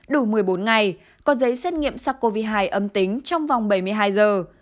đủ một mươi bốn ngày có giấy xét nghiệm sars cov hai âm tính trong vòng bảy mươi hai giờ